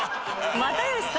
又吉さん。